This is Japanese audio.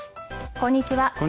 こんにちは。